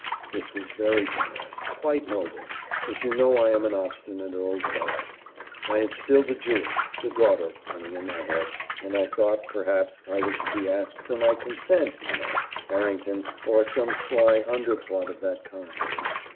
"This was very generous quite noble, but you know I am an obstinate old fellow. I had still the Jewess, the daughter, running in my head, and I thought, perhaps, I was to be asked for my consent, you know, Harrington, or some sly underplot of that kind.